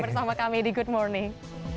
bersama kami di good morning